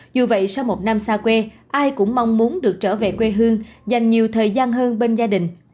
dù vậy sau một năm xa quê ai cũng mong muốn được trở về quê hương dành nhiều thời gian hơn bên gia đình